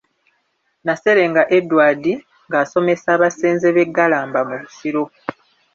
Naserenga Edward ng'asomesa abasenze b'e Galamba mu Busiro.